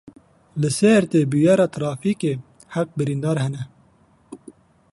Li Sêrtê bûyera trafîkê heft birîndar hene.